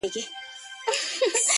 نه لري هيـڅ نــنــــگ.